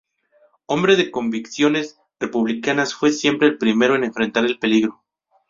Hombre de convicciones republicanas fue siempre el primero en enfrentar el peligro.